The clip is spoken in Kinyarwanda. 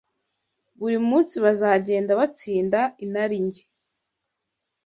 Buri munsi bazagenda batsinda inarijye